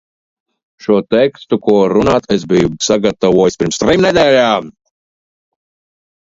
Šo tekstu, ko runāt, es jau biju sagatavojis pirms trim nedēļām.